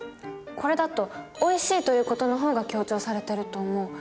これだと「おいしい」という事の方が強調されてると思う。